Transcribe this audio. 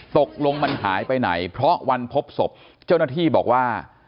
ตกลงมันหายไปไหนเพราะวันพบศพเจ้าหน้าที่บอกว่า